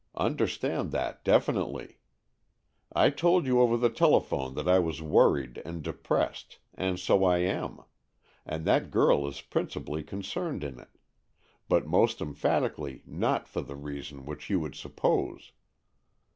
Understand that definitely. I told you over the tele phone that I was worried and depressed, and so I am; and that girl is principally con cerned in it, but most emphatically not for the reason which you would suppose."